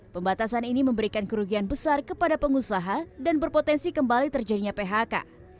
pembatasan ini memberikan kerugian besar kepada pengusaha dan berpotensi kembali terjadinya phk